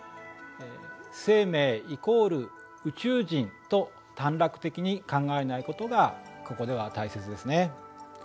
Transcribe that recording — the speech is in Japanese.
「生命イコール宇宙人」と短絡的に考えないことがここでは大切ですね。